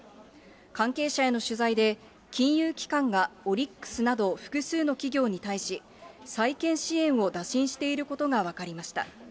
関係者への取材で、金融機関がオリックスなど複数の企業に対し再建支援を打診していることが分かりました。